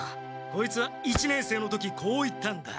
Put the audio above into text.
こいつは一年生の時こう言ったんだ。